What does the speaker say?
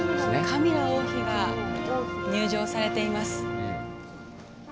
カミラ王妃が入場されています。